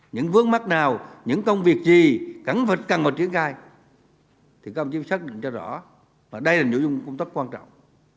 những vướng mắt nào những công việc gì cần vào triển khai thì các ông chí xác định cho rõ và đây là nội dung công tác quan trọng